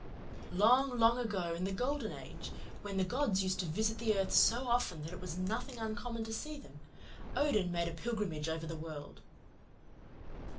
"Long, long ago, in the Golden Age, when the gods used to visit the earth so often that it was nothing uncommon to see them, Odin made a pilgrimage over the world.